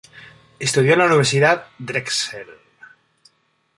Estudió en la Universidad Drexel.